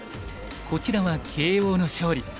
こちらは慶應の勝利。